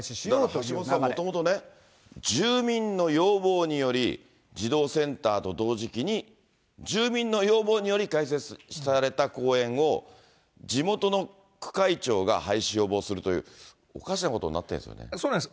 だから橋下さん、もともとね、住民の要望により、児童センターと同時期に住民の要望により開設された公園を、地元の区会長が廃止を要望するという、おかしなことになってるんそうなんです。